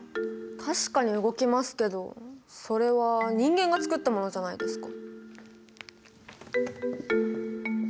確かに動きますけどそれは人間が作ったものじゃないですか。